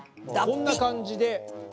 こんな感じで。